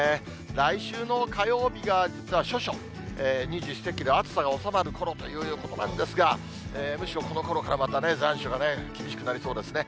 来週の火曜日が実は処暑、二十四節気で暑さが収まるころということなんですが、むしろこのころからまた残暑が厳しくなりそうですね。